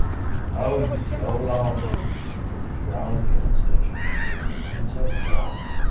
"Oh, you go along!" growled the old station master, in sudden wrath.